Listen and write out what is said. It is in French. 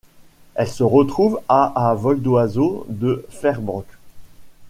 Elle se trouve à à vol d'oiseau de Fairbanks.